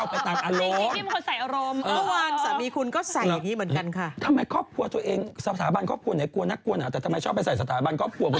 อันนี้อยู่ในไอจีนะคะ